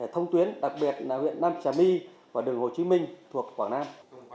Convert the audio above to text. thông tuyến đặc biệt là huyện nam trà my và đường hồ chí minh thuộc quảng nam